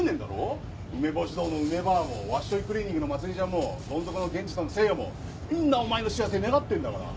うめぼし堂の梅ばあもわっしょいクリーニングのまつりちゃんもどんぞこの源治さんと聖夜もみんなお前の幸せ願ってんだから！